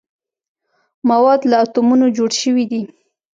مواد له اتومونو جوړ شوي دي.